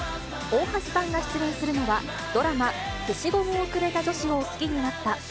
大橋さんが出演するのは、ドラマ、消しゴムをくれた女子を好きになった。